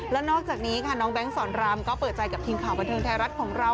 และนอกจากนี้ค่ะน้องแบงค์สอนรามก็เปิดใจกับทีมข่าวบันเทิงไทยรัฐของเรา